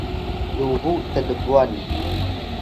lubuw tlbwan